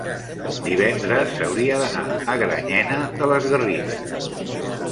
divendres hauria d'anar a Granyena de les Garrigues.